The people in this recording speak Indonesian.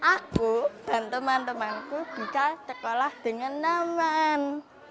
aku dan teman temanku bisa sekolah dengan aman